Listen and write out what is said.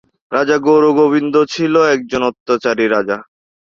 রাজা গৌড়-গোবিন্দ ছিল একজন অত্যাচারী রাজা।